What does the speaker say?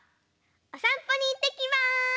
おさんぽにいってきます！